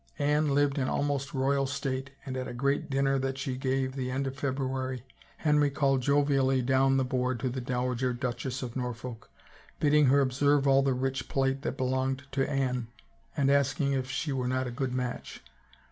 Anne lived in almost royal state and at a great dinner that she gave, the end of February, Henry called jovially down the board to the Dowager Duchess of Norfolk, bidding her observe all the rich plate that belonged to Anne and asking if she were not a good match